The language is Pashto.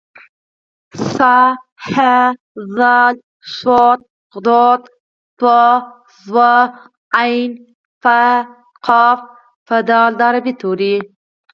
ث ح ذ ص ض ط ظ ع ف ق په د عربۍ توري